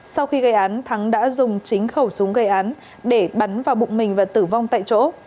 sau khi gây án thắng đã dùng chính khẩu súng gây án để bắn vào bụng mình và tử vong tại chỗ